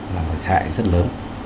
là một hại rất lớn